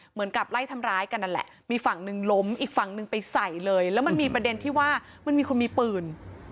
เหมือนกับไล่ทำร้ายกันนั่นแหละมีฝั่งหนึ่งล้มอีกฝั่งหนึ่งไปใส่เลยแล้วมันมีประเด็นที่ว่ามันมีคนมีปืน